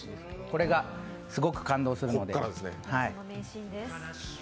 これがすごく感動するので。